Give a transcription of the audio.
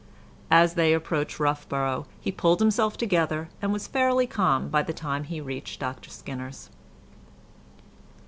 As they approached Roughborough he pulled himself together, and was fairly calm by the time he reached Dr Skinner's.